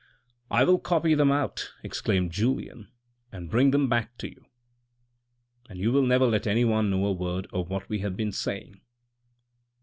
" I will copy them out," exclaimed Julien, " and bring them back to you." " And you will never let anyone know a word of what we have been saying."